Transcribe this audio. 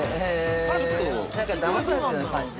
なんか、だまされたような感じ。